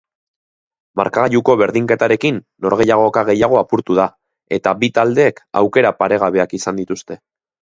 Markagailuko berdinketarekin norgehiagoka gehiago apurtu da eta bi taldeek aukera paregabeak izan dituzte.